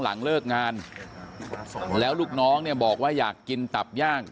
หลังเลิกงานแล้วลูกน้องเนี่ยบอกว่าอยากกินตับย่าง